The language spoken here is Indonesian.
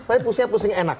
tapi pusingnya pusing enak